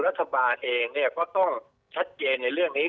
รัฐบาลเองก็ต้องชัดเจนในเรื่องนี้